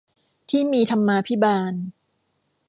ที่มีธรรมาภิบาล